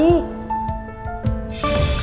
ini kamu orangnya